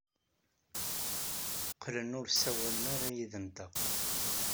Qqlen ur ssawalen ara yid-nteɣ.